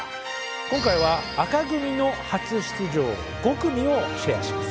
今回は紅組の初出場５組をシェアします。